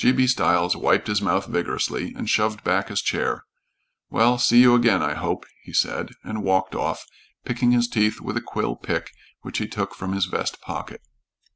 G. B. Stiles wiped his mouth vigorously and shoved back his chair. "Well, see you again, I hope," he said, and walked off, picking his teeth with a quill pick which he took from his vest pocket.